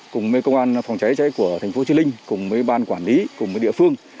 cùng với công an phòng cháy cháy của tp hcm cùng với ban quản lý cùng với địa phương